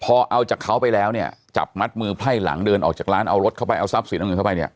พอเอาจากเขาไปแล้วเนี่ยจับมัดมือไพ่หลังเดินออกจากร้านเอารถเข้าไปเอาทรัพย์สินเอาเงินเข้าไปเนี่ย